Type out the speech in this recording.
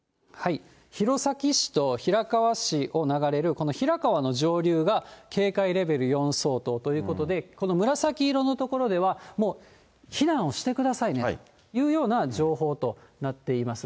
弘前市と平川市を流れるこの平川の上流が、警戒レベル４相当ということで、この紫色の所では、もう、避難をしてくださいねというような情報となっています。